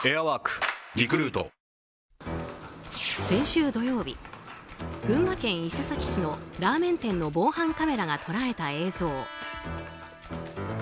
先週土曜日群馬県伊勢崎市のラーメン店の防犯カメラが捉えた映像。